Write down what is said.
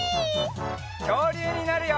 きょうりゅうになるよ！